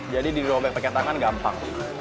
jadi diperbaiki dengan tangan mudah